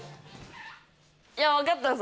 いやわかったぞ。